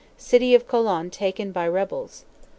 City of Colon taken by rebels.